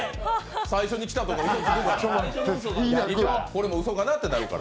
最初にきたとかうそつくから。